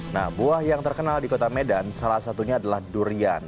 nah buah yang terkenal di kota medan salah satunya adalah durian